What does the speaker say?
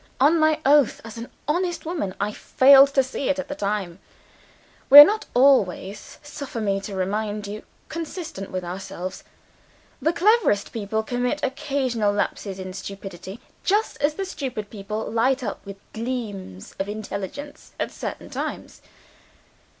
On my oath as an honest woman, I failed to see it at the time. We are not always (suffer me to remind you) consistent with ourselves. The cleverest people commit occasional lapses into stupidity just as the stupid people light up with gleams of intelligence at certain times.